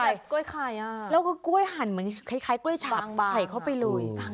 กล้วยไข่อ่ะแล้วก็กล้วยหั่นเหมือนคล้ายกล้วยฉางใส่เข้าไปเลย